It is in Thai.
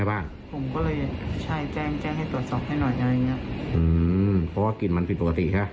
เพราะว่ากลิ่นมันผิดปกติฮะ